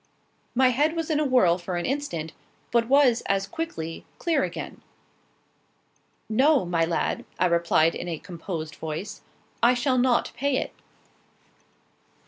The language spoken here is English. My head was in a whirl for an instant, but was as quickly clear again. "No, my lad," I replied, in a composed voice, "I shall not pay it."